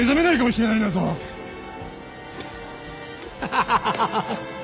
ハハハハ。